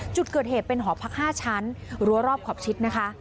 จุดเกิดเหตุเป็นหอพัก๕ชั้นรั้วรอบขอบชิดนะคะ